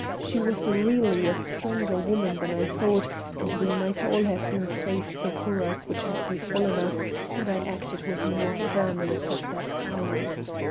She was really a stronger woman than I thought and we might all have been saved the horrors which have befallen us had I acted with more firmness at that time.